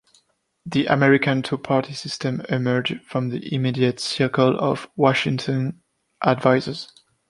The American two party system emerged from the immediate circle of Washington advisers.